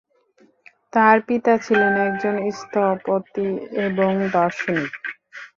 তার পিতা ছিলেন একজন স্থপতি এবং দার্শনিক।